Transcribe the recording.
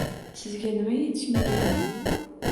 sizga nima etishmagandi